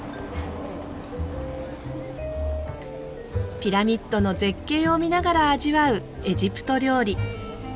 ピラミッドの絶景を見ながら味わうエジプト料理。